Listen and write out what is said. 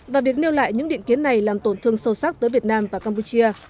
và việc nêu lại những định kiến này làm tổn thương sâu sắc tới việt nam và campuchia